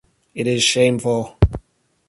It is shameful.